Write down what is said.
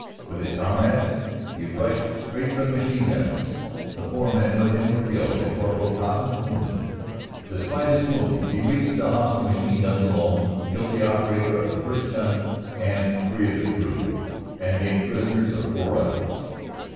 With his comrades he rushed straight for the machine guns. The four men with him were killed and Cpl. Coppins wounded. Despite his wounds he reached the hostile machine guns alone, killed the operator of the first gun and three of the crew, and made prisoners four others.